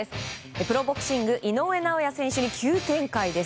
プロボクシング井上尚弥選手に急展開です。